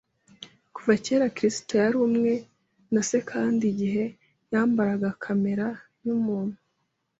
Kuva kera Kristo yari umwe na Se, kandi igihe yambaraga kamere y’umuntu,